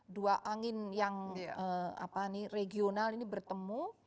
dua angin yang regional ini bertemu